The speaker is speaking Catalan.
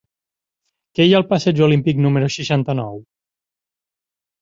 Què hi ha al passeig Olímpic número seixanta-nou?